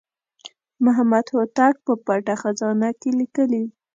محمد هوتک په پټه خزانه کې لیکلي.